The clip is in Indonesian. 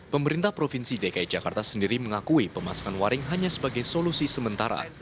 pemerintah provinsi dki jakarta sendiri mengakui pemasangan waring hanya sebagai solusi sementara